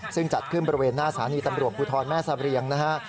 ซึ่งจัดขึ้นบริเวณหน้าสถานีตำรวจภูทรแม่สะเรียงนะฮะ